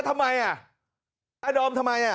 ทำไมอ่ะอาดอมทำไมอ่ะ